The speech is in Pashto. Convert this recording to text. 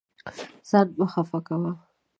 ځان مه خفه کوه.